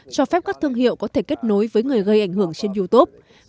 cho phép các thương hiệu có thể kết nối với người gây ảnh hưởng trên youtube